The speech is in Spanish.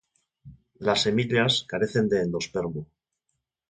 Las semillas carecen de endospermo.